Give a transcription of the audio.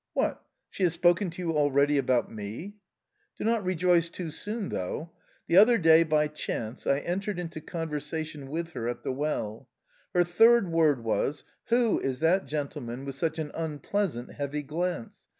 "What? She has spoken to you already about me?"... "Do not rejoice too soon, though. The other day, by chance, I entered into conversation with her at the well; her third word was, 'Who is that gentleman with such an unpleasant, heavy glance?